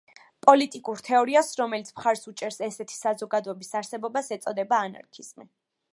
პოლიტიკურ თეორიას, რომელიც მხარს უჭერს ესეთი საზოგადოების არსებობას ეწოდება ანარქიზმი.